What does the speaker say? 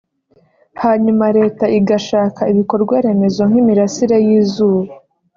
hanyuma Leta igashaka ibikorwaremezo nk’imirasire y’izuba